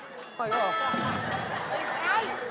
เป็นไงนั่นทำอะไร